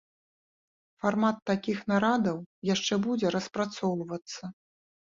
Фармат такіх нарадаў яшчэ будзе распрацоўвацца.